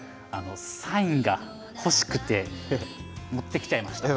サインが欲しくて持ってきちゃいました。